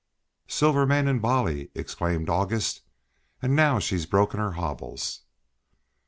"Silvermane and Bolly!" exclaimed August, "and now she's broken her hobbles."